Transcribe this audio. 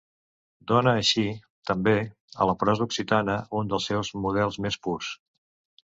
Dóna així, també, a la prosa occitana un dels seus models més purs.